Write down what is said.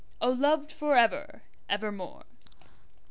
O loved for ever evermore!